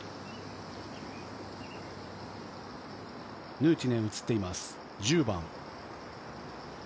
ヌーティネンが映っています、１０番。